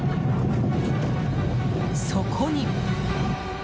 そこに。